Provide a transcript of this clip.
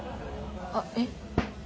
あっえっ？